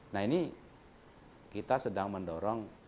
nah ini kita sedang mendorong